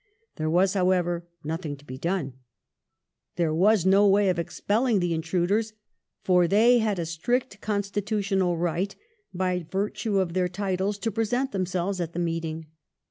There was, however, nothing to be done. There was no way of expelling the intruders, for they had a strict constitutional right, by virtue of their titles, to present themselves at the meeting.